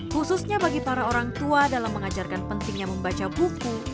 khususnya bagi para orang tua dalam mengajarkan pentingnya membaca buku